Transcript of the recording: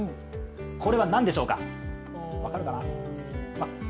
これは何でしょうか？